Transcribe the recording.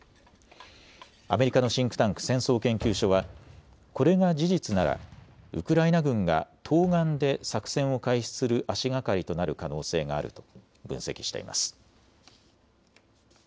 アメリカのシンクタンク、戦争研究所はこれが事実ならウクライナ軍が東岸で作戦を開始する足がかりとなる可能性があると分析しています。